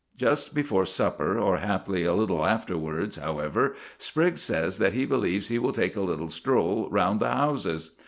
Just before supper, or haply a little afterwards, however, Spriggs says that he believes he will take a little stroll "round the houses."